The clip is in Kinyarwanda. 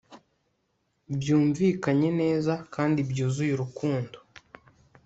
Byumvikanye neza kandi byuzuye urukundo